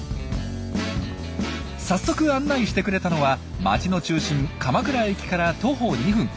さっそく案内してくれたのは街の中心鎌倉駅から徒歩２分。